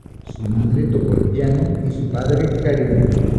Su madre tocó el piano y su padre el clarinete.